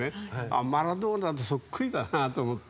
あ、マラドーナとそっくりだなと思って。